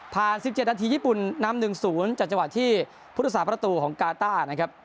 ผ่าน๑๗นาทีญี่ปุ่นนำหนึ่งศูนย์จากจังหวัดที่พุทธศาสตร์ประตูของการ์ต้าร์ครับ